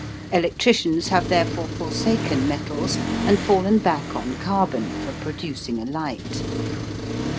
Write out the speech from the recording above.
Electricians have therefore forsaken metals, and fallen back on carbon for producing a light.